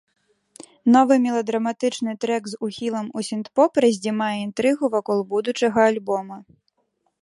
Новы меладраматычны трэк з ухілам у сінт-поп раздзімае інтрыгу вакол будучага альбома.